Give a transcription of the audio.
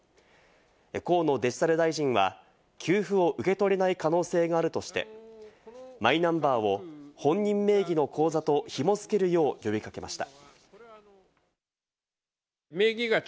河野デジタル大臣は、給付を受け取れない可能性があるとして、マイナンバーを本人名義の口座とひも付けるよう呼び掛けました。